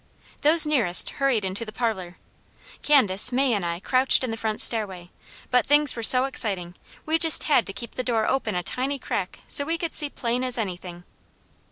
Those nearest hurried into the parlour. Candace, May, and I crouched in the front stairway, but things were so exciting we just had to keep the door open a tiny crack so we could see plain as anything.